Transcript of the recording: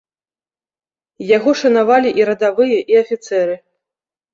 Яго шанавалі і радавыя і афіцэры.